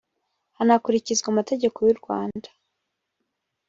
hanakurikizwa amategeko y u rwanda